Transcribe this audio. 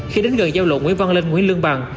khi đến gần giao lộ nguyễn văn linh nguyễn lương bằng